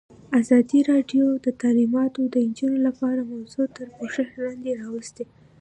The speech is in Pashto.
ازادي راډیو د تعلیمات د نجونو لپاره موضوع تر پوښښ لاندې راوستې.